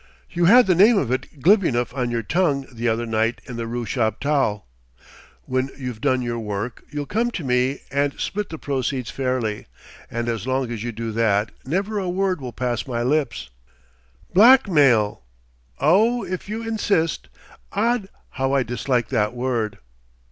You had the name of it glib enough on your tongue the other night in the rue Chaptal.... When you've done your work, you'll come to me and split the proceeds fairly and as long as you do that, never a word will pass my lips!" "Blackmail...!" "Oh, if you insist! Odd, how I dislike that word!"